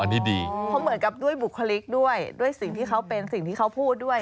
อันนี้ดีเพราะเหมือนกับด้วยบุคลิกด้วยด้วยสิ่งที่เขาเป็นสิ่งที่เขาพูดด้วย